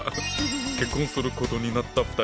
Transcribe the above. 結婚することになった２人。